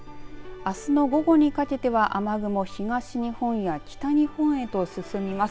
あすの午後にかけては、雨雲東日本や北日本へと進みます。